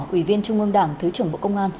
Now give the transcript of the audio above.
ủy viên trung ương đảng thứ trưởng bộ công an